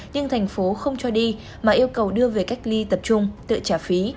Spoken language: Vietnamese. nhưng thành phố không cho đi mà yêu cầu đưa về cách ly tập trung tự trả phí